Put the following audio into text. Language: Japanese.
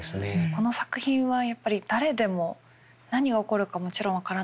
この作品はやっぱり誰でも何が起こるかもちろん分からないですし